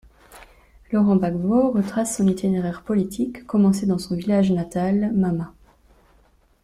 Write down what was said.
Laurent Gbagbo retrace son itinéraire politique, commencé dans son village natal, Mama.